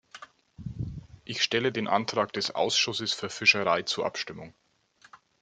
Ich stelle den Antrag des Ausschusses für Fischerei zur Abstimmung.